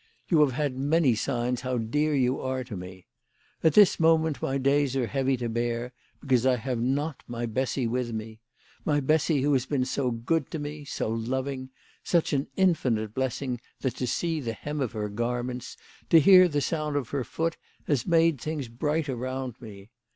You have had many signs how dear you are to me. At this moment my days are heavy to bear because I have not my Bessy with me, my Bessy who has been so good to me, so loving, such an infinite blessing that to see the hem of her garments, to hear the sound of her foot, has made things bright around me.